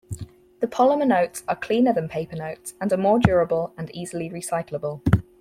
The polymer notes are cleaner than paper notes, are more durable and easily recyclable.